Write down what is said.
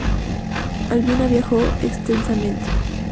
Albina viajó extensamente.